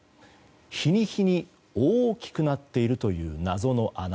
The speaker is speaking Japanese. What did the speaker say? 日に日に大きくなっているという謎の穴。